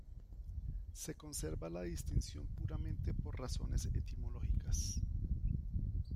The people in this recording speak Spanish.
Se conserva la distinción puramente por razones etimológicas.